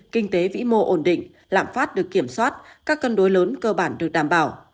kinh tế vĩ mô ổn định lạm phát được kiểm soát các cân đối lớn cơ bản được đảm bảo